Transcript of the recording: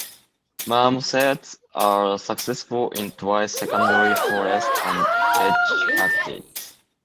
Marmosets are successful in dry secondary forests and edge habitats.